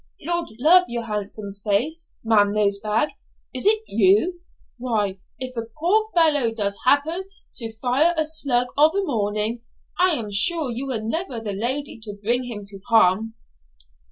'Lord love your handsome face, Madam Nosebag, is it you? Why, if a poor fellow does happen to fire a slug of a morning, I am sure you were never the lady to bring him to harm.'